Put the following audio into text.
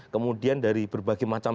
kemudian dari berbagai macam